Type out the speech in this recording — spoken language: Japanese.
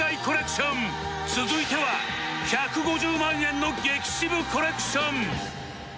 続いては１５０万円の激渋コレクション